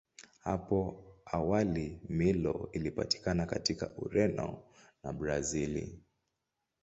Hapo awali Milo ilipatikana katika Ureno na Brazili.